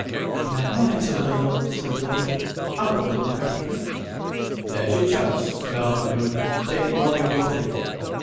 "You can have mine to learn on," said Lottie. "Albert will look after it." "There's your chance," said Arthur rudely. "Take it while you've got it."